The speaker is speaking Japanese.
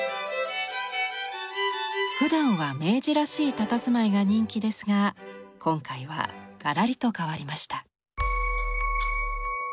ふだんは明治らしいたたずまいが人気ですが今回はガラリと変わりました。